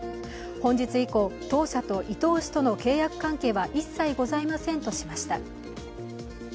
本日以降、当社と伊東氏との契約関係は一切ございませんとしました。